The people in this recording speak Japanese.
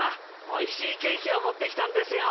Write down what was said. おいしいケーキを持ってきたんですよ。